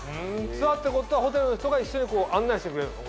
ツアーってことはホテルの人が一緒に案内してくれるってこと？